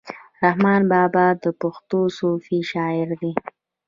رحمان بابا د پښتو صوفي شاعر دی.